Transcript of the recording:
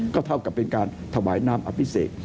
ก็เท่ากับเป็นการถวายน้ำอภิเษก